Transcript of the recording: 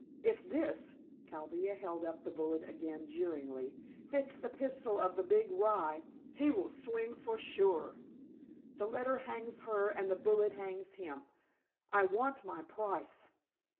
If this," Chaldea held up the bullet again jeeringly, "fits the pistol of the big rye he will swing for sure. The letter hangs her and the bullet hangs him. I want my price."